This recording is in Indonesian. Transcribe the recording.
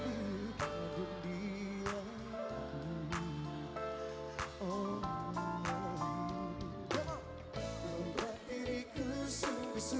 ya kita akan beri bantuan